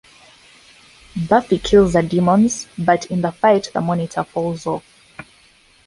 Buffy kills the demons, but in the fight the monitor falls off.